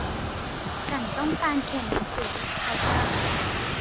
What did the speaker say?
ฉันต้องการเขียนหนังสือ เขากล่าว